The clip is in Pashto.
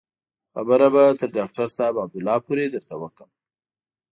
خبره به تر ډاکتر صاحب عبدالله پورې درته وکړم.